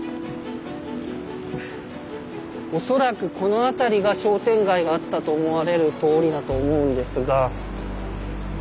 恐らくこの辺りが商店街があったと思われる通りだと思うんですが。